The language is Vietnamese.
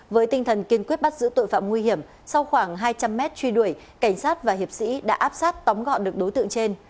với tinh thần kiên quyết bắt giữ tội phạm nguy hiểm sau khoảng hai trăm linh mét truy đuổi cảnh sát và hiệp sĩ đã áp sát tóm gọn được đối tượng trên